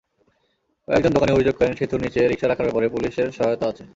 কয়েকজন দোকানি অভিযোগ করেন, সেতুর নিচে রিকশা রাখার ব্যাপারে পুলিশের সহায়তা আছে।